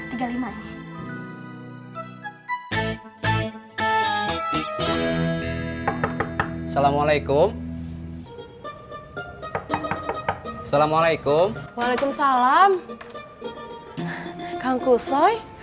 assalamualaikum assalamualaikum waalaikumsalam kang kusoy